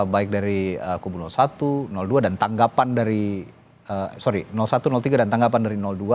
baik dari kubu satu dua dan tanggapan dari sorry satu tiga dan tanggapan dari dua